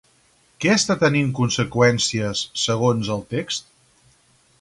Què està tenint conseqüències segons el text?